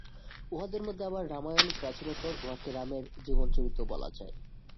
উহাদের মধ্যে আবার রামায়ণ প্রাচীনতর, উহাকে রামের জীবনচরিত বলা যায়।